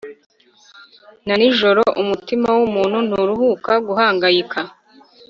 Nanijoro umutima wumuntu nturuhuka guhangayika